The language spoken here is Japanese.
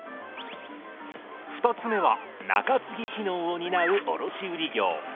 ２つ目は仲継機能を担う卸売業。